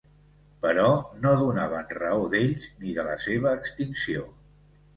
Però no donaven raó d'ells ni de la seva extinció.